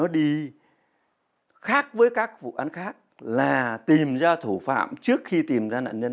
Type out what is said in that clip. đi khác với các vụ án khác là tìm ra thủ phạm trước khi tìm ra nạn nhân